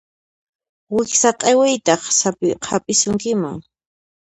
Wiksa q'iwiytaq hap'isunkiman.